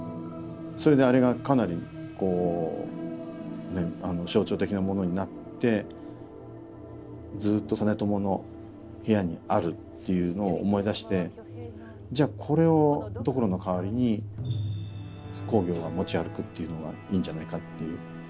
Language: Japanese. それであれがかなりこうね象徴的なものになってずっと実朝の部屋にあるっていうのを思い出してじゃあこれをドクロの代わりに公暁が持ち歩くっていうのがいいんじゃないかっていう。